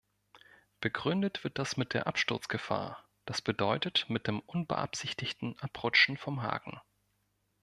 Begründet wird das mit der Absturzgefahr, das bedeutet mit dem unbeabsichtigten Abrutschen vom Haken.